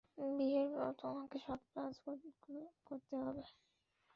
বিয়ের পর, তোমাকে সব কাজ করতে হবে।